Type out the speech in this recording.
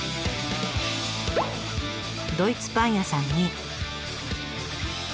ドイツパン屋さんに。